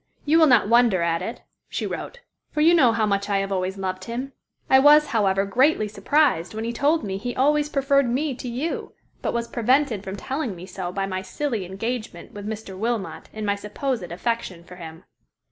"You will not wonder at it," she wrote, "for you know how much I have always loved him. I was, however, greatly surprised when he told me he always preferred me to you, but was prevented from telling me so by my silly engagement with Mr. Wilmot and my supposed affection for him."